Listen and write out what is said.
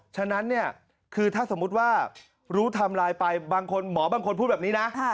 ฉะนั้นเนี่ยคือถ้าสมมุติว่ารู้ไทม์ไลน์ไปบางคนหมอบางคนพูดแบบนี้นะ